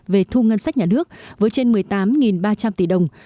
về thu ngân sách nhà nước với trên một mươi tám ba trăm linh tỷ đồng